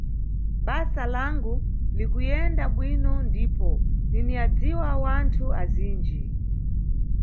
Basa langu likuyenda bwino ndipo ninyadziwa wanthu azinji.